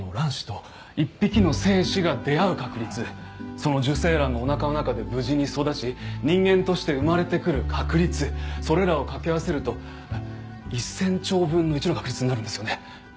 その受精卵がおなかの中で無事に育ち人間として生まれてくる確率それらをかけ合わせると１０００兆分の１の確率になるんですよね。